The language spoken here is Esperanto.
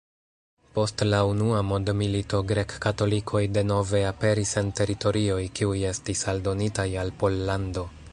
Post la unua mondmilito grek-katolikoj denove aperis en teritorioj kiuj estis aldonitaj al Pollando.